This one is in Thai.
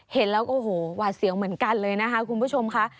เห็นแล้วก็โอ้โหหวาดเสียวเหมือนกันเลยนะคะคุณผู้ชมค่ะ